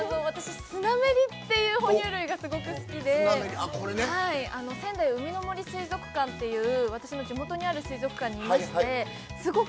私、スナメリっていう哺乳類がすごく好きで、仙台うみの杜水族館っていう、私の地元にある水族館にいましてす